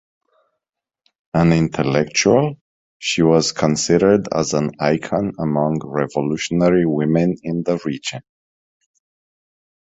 An intellectual, she was considered as an icon among revolutionary women in the region.